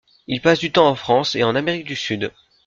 Il passe du temps en France et en Amérique du Sud.